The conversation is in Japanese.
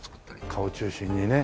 顔中心にね。